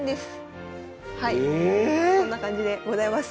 ええ⁉そんな感じでございます。